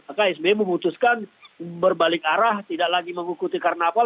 maka sby memutuskan berbalik arah tidak lagi mengikuti karnaval